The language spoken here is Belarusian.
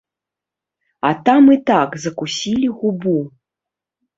А там і так закусілі губу.